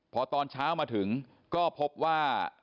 พอตอนเช้ามาถึงก็พบว่า